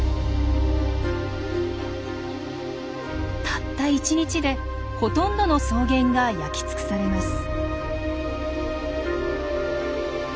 たった１日でほとんどの草原が焼き尽くされます。